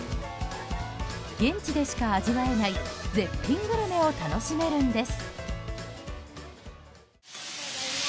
現地でしか味わえない絶品グルメを楽しめるんです。